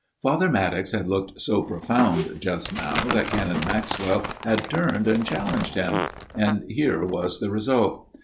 Father Maddox had looked so profound just now that Canon Maxwell had turned and challenged him ; and here was the result.